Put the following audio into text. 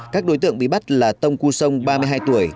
các đối tượng bị bắt là tông cu sông ba mươi hai tuổi